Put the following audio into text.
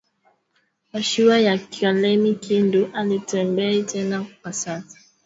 Mashuwa ya kalemie kindu aitembei tena kwa sasa